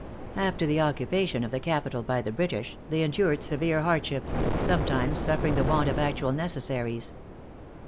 After the occupation of the capital by the British, they endured severe hardships, sometimes suffering the want of actual necessaries.